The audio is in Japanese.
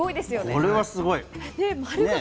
これはすごい。